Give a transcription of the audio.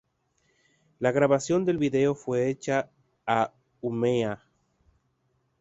La grabación del video fue hecha a Umeå.